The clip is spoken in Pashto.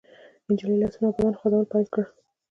نجلۍ لاسونه او بدن خوځول پيل کړل.